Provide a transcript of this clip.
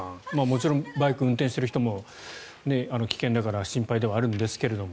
もちろんバイクを運転している人も危険だから心配ではあるんですけど。